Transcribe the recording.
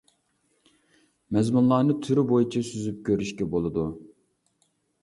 مەزمۇنلارنى تۈرى بويىچە سۈزۈپ كۆرۈشكە بولىدۇ.